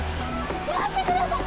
待ってください！